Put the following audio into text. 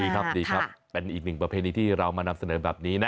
ครับดีครับเป็นอีกหนึ่งประเพณีที่เรามานำเสนอแบบนี้นะ